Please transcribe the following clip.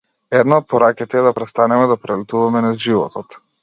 Една од пораките е да престанеме да прелетуваме низ животот.